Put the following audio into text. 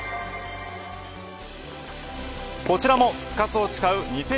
こちらも、復活を誓う